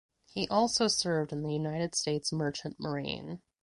He also served in the United States Merchant Marine.